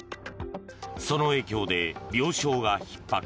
その影響で病床がひっ迫。